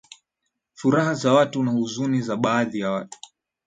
furaha za watu na huzuni za baadhi ya watu